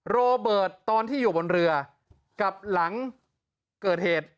โรเบิร์ตตอนที่อยู่บนเรือกับหลังเกิดเหตุ